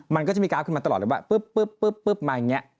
มันก็จะมีกราฟขึ้นมาตลอดเลยว่าปุ๊บมาอย่างนี้